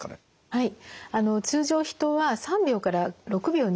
はい。